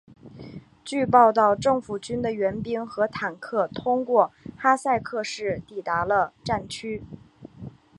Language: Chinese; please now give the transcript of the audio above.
据报道政府军的援兵和坦克通过哈塞克市抵达了战区。